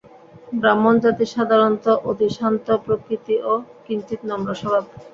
ব্রাহ্মণজাতি সাধারণত অতি শান্তপ্রকৃতি ও কিঞ্চিৎ নম্রস্বভাব।